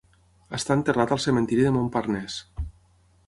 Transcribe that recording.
Està enterrat al cementiri de Montparnasse.